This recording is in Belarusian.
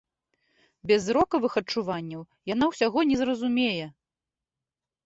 Без зрокавых адчуванняў яна ўсяго не зразумее.